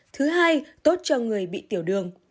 thứ hai tốt cho người bị tiểu đường